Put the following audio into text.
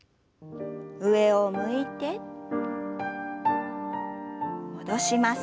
上を向いて戻します。